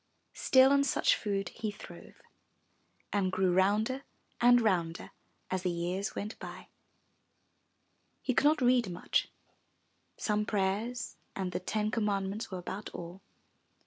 Still on such food he throve and grew rounder and rounder as the years went by. He could not read much — some prayers and the ten com mandments were about all.